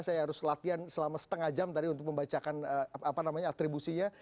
saya harus latihan selama setengah jam tadi untuk membacakan atribusinya